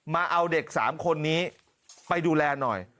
มาเอาเด็ก๓คนนี้ไปดูแลหน่อย